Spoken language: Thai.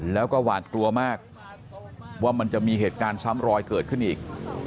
แล้วก็หวาดกลัวมากว่ามันจะมีเหตุการณ์ซ้ำรอยเกิดขึ้นอีก